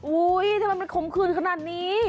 ทำไมมันขมคืนขนาดนี้